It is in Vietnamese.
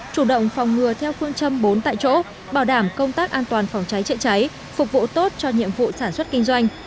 chủ động phòng ngừa theo phương châm bốn tại chỗ bảo đảm công tác an toàn phòng cháy chữa cháy phục vụ tốt cho nhiệm vụ sản xuất kinh doanh